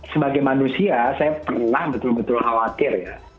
sebagai manusia saya pernah betul betul khawatir ya